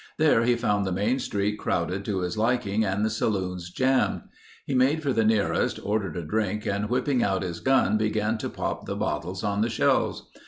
There he found the main street crowded to his liking and the saloons jammed. He made for the nearest, ordered a drink and whipping out his gun began to pop the bottles on the shelves.